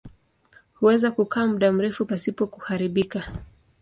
Huweza kukaa muda mrefu pasipo kuharibika.